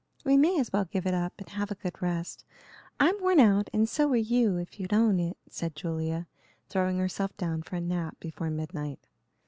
"We may as well give it up and have a good rest. I'm worn out, and so are you, if you'd own it," said Julia, throwing herself down for a nap before midnight.